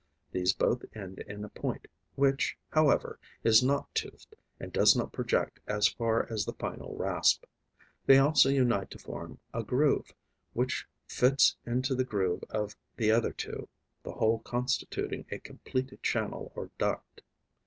These both end in a point, which, however, is not toothed and does not project as far as the final rasp. They also unite to form a groove, which fits into the groove of the other two, the whole constituting a complete channel or duct.